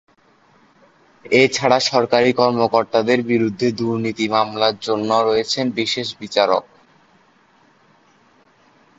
এ ছাড়া সরকারি কর্মকর্তাদের বিরুদ্ধে দুর্নীতি মামলার জন্য রয়েছেন বিশেষ বিচারক।